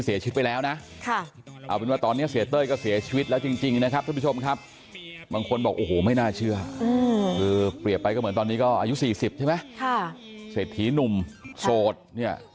เศรษฐีหนุ่มโสดเนี่ย